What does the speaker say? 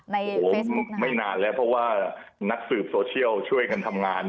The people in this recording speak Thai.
ในเฟสบุ๊คนะครับโอ้โฮไม่นานแล้วเพราะว่านักสืบโซเชียลช่วยกันทำงาน